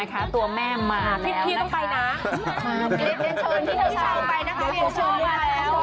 ตัวแม่มาแล้ว